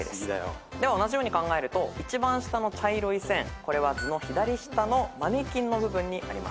同じように考えると一番下の茶色い線これは図の左下のマネキンの部分にあります。